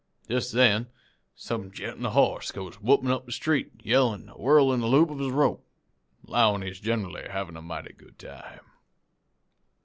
"Jest then some gent on a hoss goes whoopin' up the street a yellin' an' a whirlin' the loop of his rope, an' allowin' generally he's havin' a mighty good time.